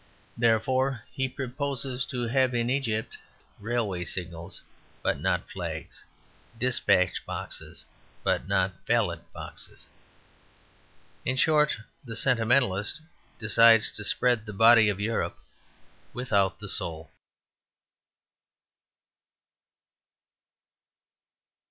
Therefore he proposes to have in Egypt railway signals, but not flags; despatch boxes, but not ballot boxes. In short, the Sentimentalist decides to spread the body of Europe without the soul.